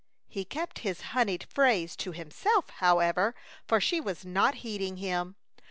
He kept his honeyed phrase to himself, however, for she was not heeding him.